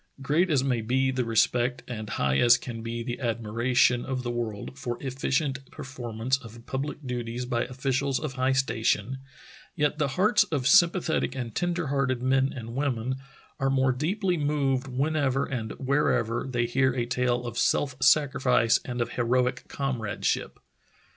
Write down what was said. Great as may be the respect and high as can be the admiration of the world for efficient per formance of pubHc duties by officials of high station, yet the hearts of sympathetic, tender hearted men and Robeson Channel and Lady Franklin Bay, women are more deeply moved whenever and where ever they hear a tale of self sacrifice and of heroic comradeship.